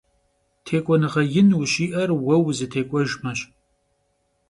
ТекӀуэныгъэ ин ущиӀэр уэ узытекӀуэжмэщ.